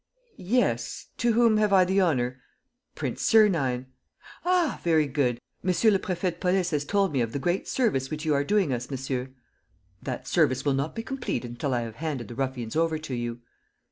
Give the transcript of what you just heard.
"Yes. ... To whom have I the honor ...?" "Prince Sernine." "Ah, very good! Monsieur le Préfet de Police has told me of the great service which you are doing us, monsieur." "That service will not be complete until I have handed the ruffians over to you."